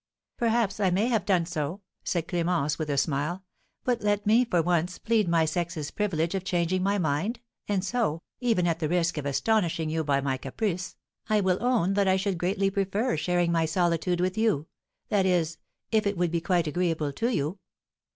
"Perhaps I may have done so," said Clémence, with a smile; "but let me, for once, plead my sex's privilege of changing my mind, and so, even at the risk of astonishing you by my caprice, I will own that I should greatly prefer sharing my solitude with you, that is, if it would be quite agreeable to you."